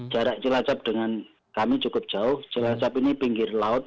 jarak cilacap dengan kami cukup jauh cilacap ini pinggir laut